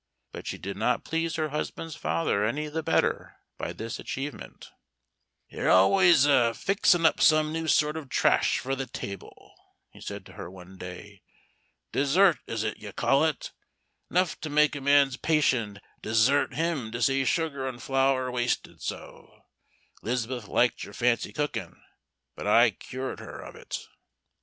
But she did not please her husband's father any the better by this achievement. "You're always a fixin' up some new sort of trash for the table," he said to her one day. "Dessert is it, you call it? 'Nuff to make a man's patience desert him to see sugar and flour wasted so. 'Liz'beth liked your fancy cooking, but I cured her of it."